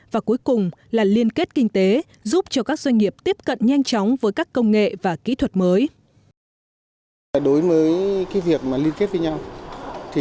và cuối cùng là liên kết kinh tế giúp cho các doanh nghiệp tiếp cận nhanh chóng với các công nghệ và kỹ thuật mới